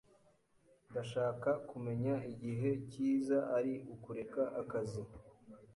Ndashaka kumenya igihe cyiza ari ukureka akazi.